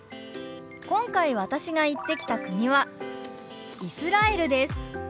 今回私が行ってきた国はイスラエルです。